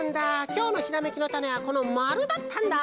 きょうのひらめきのタネはこのまるだったんだ！